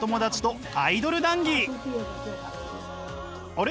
あれ？